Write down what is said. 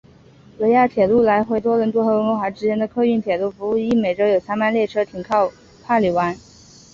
维亚铁路来回多伦多和温哥华之间的客运铁路服务亦每周有三班列车停靠帕里湾。